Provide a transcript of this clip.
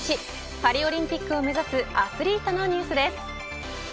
パリオリンピックを目指すアスリートのニュースです。